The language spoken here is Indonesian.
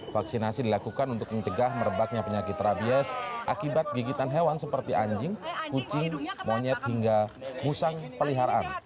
vaksinasi dilakukan untuk mencegah merebaknya penyakit rabies akibat gigitan hewan seperti anjing kucing monyet hingga musang peliharaan